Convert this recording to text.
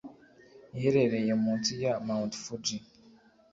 Iherereye munsi ya Mt. Fuji.